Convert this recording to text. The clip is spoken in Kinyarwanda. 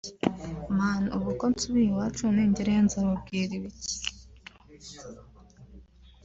Mana ubu ko nsubiye iwacu ningerayo nzababwira iki